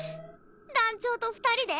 団長と二人で？